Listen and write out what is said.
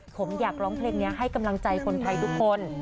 ผมอยากร้องเพลงนี้ให้กำลังใจคนไทยทุกคน